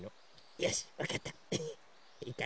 よしわかった！